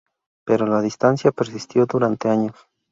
Pero la distancia persistió durante años.